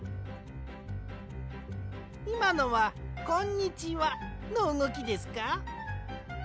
いまのは「こんにちは」のうごきですか？